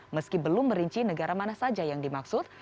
meski belum merinci negara mana saja yang dimaksud